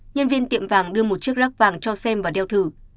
nhân viên tiệm vàng đưa một chiếc lắc vàng cho xem và đeo thử